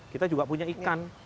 kita juga punya ikan